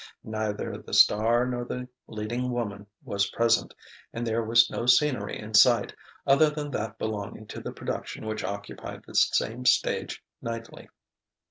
Neither the star nor the leading woman was present, and there was no scenery in sight, other than that belonging to the production which occupied the same stage nightly.